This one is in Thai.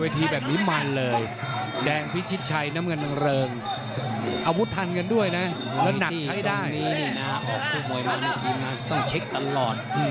ต้องเช็คตลอด